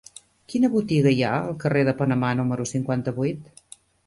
Quina botiga hi ha al carrer de Panamà número cinquanta-vuit?